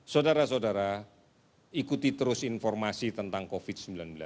saudara saudara ikuti terus informasi tentang covid sembilan belas